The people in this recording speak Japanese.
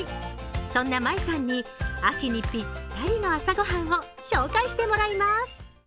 そんなＭａｉさんに秋にぴったりの朝ごはんを紹介してもらいます。